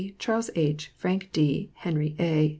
Charles H., Frank D., Henry A.